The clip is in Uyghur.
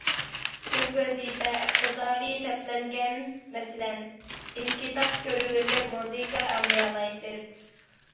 كۆپ ۋەزىپە ئىقتىدارى سەپلەنگەن، مەسىلەن: ئېلكىتاب كۆرۈۋېتىپ مۇزىكا ئاڭلىيالايسىز.